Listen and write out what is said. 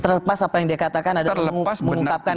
terlepas apa yang dia katakan mengungkapkan kebenaran